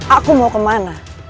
aku mau kemana